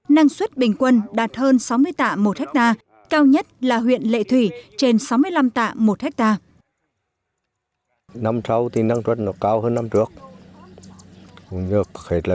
năng suất bình quân đạt hơn sáu mươi tạ một hectare cao nhất là huyện lệ thủy trên sáu mươi năm tạ một hectare